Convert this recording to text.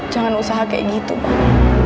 jangan usaha kayak gitu pak